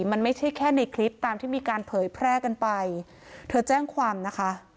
มันไม่ใช่แค่ในคลิปตามที่มีการเผยแพร่กันไปเธอแจ้งความนะคะ